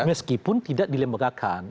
meskipun tidak dilembagakan